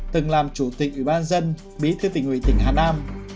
từng làm chủ tịch ủy ban dân bí thư tỉnh ủy tỉnh hà nam